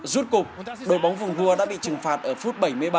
rút cục đội bóng vùng vua đã bị trừng phạt ở phút bảy mươi bảy